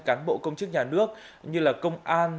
cán bộ công chức nhà nước như công an